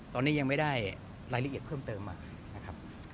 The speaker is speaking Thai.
ตอนนี้ยังไม่ได้รายละเอียดเพิ่มเติมมานะครับ